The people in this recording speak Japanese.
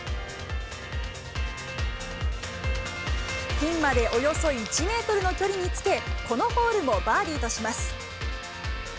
ピンまでおよそ１メートルの距離につけ、このホールをバーディーとします。